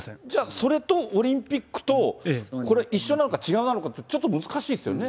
それとオリンピックと、これ一緒なのか違うのかって、ちょっと難しいですよね。